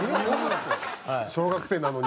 小学生なのに？